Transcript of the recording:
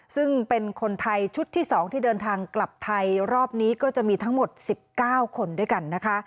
ซึ่งเป็นคนไทยชุดที่๒ที่เดินทางกลับไทยรอบนี้ก็จะมีทั้งหมด๑๙คนด้วยกันนะคะ